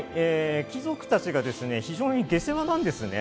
貴族たちが非常に下世話なんです。